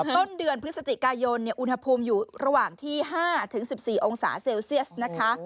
ต้นเดือนพฤศจิกายนอุณหภูมิอยู่ระหว่างที่๕๑๔องศาเซลเซียสนะคะ